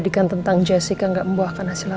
bekerja di perusahaan ini